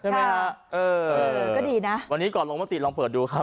ใช่ไหมฮะเออก็ดีนะวันนี้ก่อนลงมติลองเปิดดูครับ